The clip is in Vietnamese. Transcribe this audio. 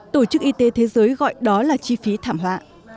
tổ chức y tế thế giới gọi đó là chi phí thảm họa